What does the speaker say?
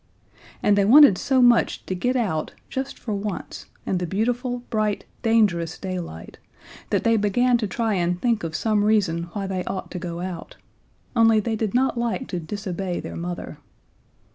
And they wanted so much to get out, just for once, in the beautiful, bright, dangerous daylight, that they began to try and think of some reason why they ought to go out. Only they did not like to disobey their mother.